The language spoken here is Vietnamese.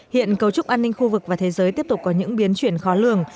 hiện cấu trúc an ninh khu vực và thế giới tiếp tục có những biến chuyển khó lường